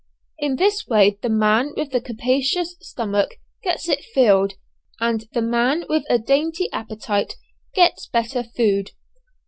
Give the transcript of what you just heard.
In this way the man with the capacious stomach gets it filled, and the man with a dainty appetite gets better food.